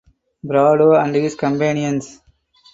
Prado and his companions.